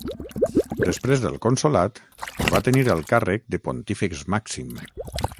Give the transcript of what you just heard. Després del consolat, va tenir el càrrec de Pontífex Màxim.